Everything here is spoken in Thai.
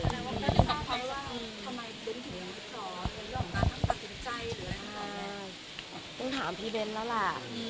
คุณรู้สึกว่าอ๋อคุณรู้สึกว่าอ๋อต้องถามพี่เบ้นแล้วล่ะ